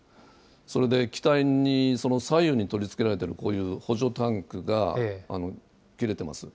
それで機体に左右に取り付けられているこういう補助タンクが切れてます。